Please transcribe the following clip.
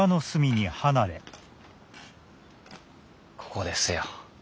ここですよ。